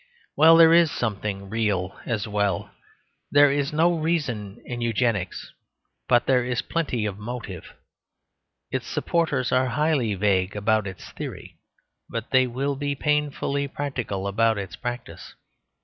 Well, there is something real as well. There is no reason in Eugenics, but there is plenty of motive. Its supporters are highly vague about its theory, but they will be painfully practical about its practice.